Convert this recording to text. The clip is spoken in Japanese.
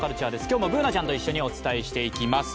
今日も、Ｂｏｏｎａちゃんと一緒にお伝えしていきます。